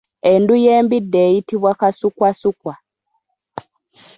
Endu y’embidde eyitibwa Kasukwasukwa.